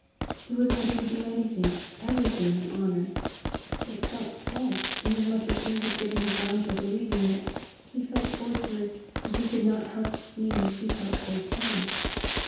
He was ready to do anything, everything in honour; yet felt false inasmuch as he had given her ground for believing that he felt towards her as he could not help seeing she felt towards him.